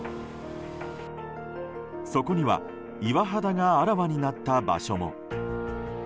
そこには岩肌があらわになった場所も。